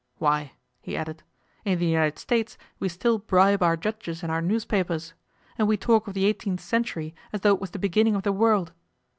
Why,' he added, 'in the United States we still bribe our judges and our newspapers. And we talk of the eighteenth century as though it was the beginning of the world.